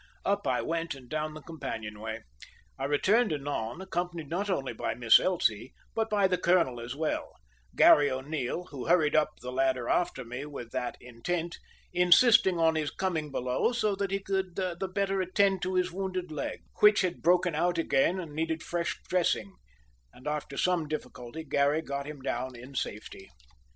Up I went and down the companion way. I returned anon accompanied not only by Miss Elsie, but by the colonel as well, Garry O'Neil, who hurried up the ladder after me with that intent, insisting on his coming below so that he could the better attend to his wounded leg, which had broken out again and needed fresh dressing, and after some little difficulty Garry got him down in safety.